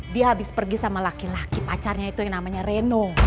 dia habis pergi sama laki laki pacarnya itu yang namanya reno